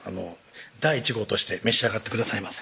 第１号として召し上がってくださいませ